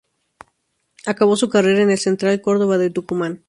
Acabó su carrera en el Central Córdoba de Tucumán.